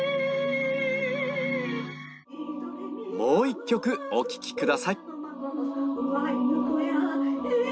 もう一曲お聴きください